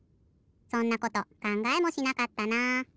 そんなことかんがえもしなかったな。